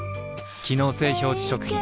機能性表示食品